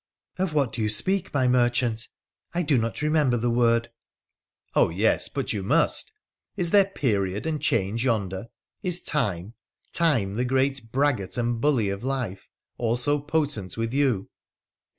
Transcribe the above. ' Of what do you speak, my merchant ? I do not remember the word j ' Ob, yes ; but you must. Is there period and change yonder ? Is Time — Time, the great braggart and bully of life, also potent with you